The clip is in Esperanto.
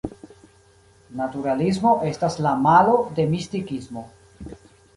Naturalismo estas la malo de Mistikismo.